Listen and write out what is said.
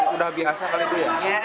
udah biasa kali itu ya